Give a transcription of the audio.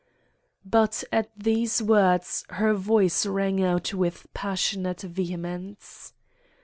But at these words her voice rang out with passionate vehemence.